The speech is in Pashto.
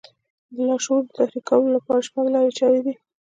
د لاشعور د تحريکولو لپاره شپږ لارې چارې دي.